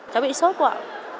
cháu bị sốt quá ạ